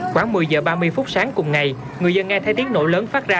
khoảng một mươi giờ ba mươi phút sáng cùng ngày người dân nghe thấy tiếng nổ lớn phát ra